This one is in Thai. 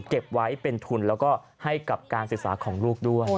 เก็บไว้เป็นทุนแล้วก็ให้กับการศึกษาของลูกด้วย